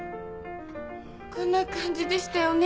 こんな感じでしたよね？